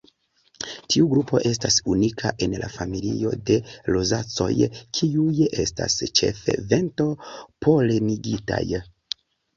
Tiu grupo estas unika en la familio de Rozacoj kiuj estas ĉefe vento-polenigitaj.